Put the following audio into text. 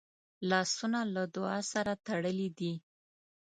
لاسونه له دعا سره تړلي دي